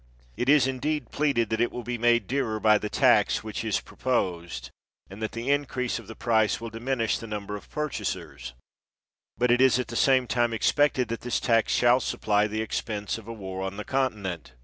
It is indeed pleaded that it will be made dearer by the tax which is proposed, and that the increase of the price will diminish the num ber of purchasers; but it is at the same time expected that this tax shall supply the expense 166 CHESTERFIELD of a war on the continent.